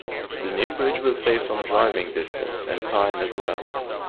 The new bridge will save some driving distance and time as well.